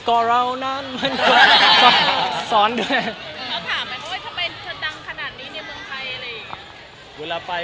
พ่อร้าวนั้นสอนด้วย